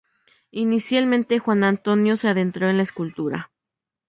Inicialmente Juan Antonio se adentró en la escultura.